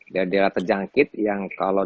daerah daerah terjangkit yang kalau